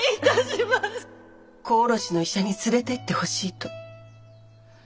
子おろしの医者に連れていってほしいと。